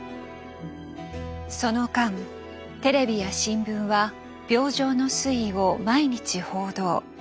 その間テレビや新聞は病状の推移を毎日報道。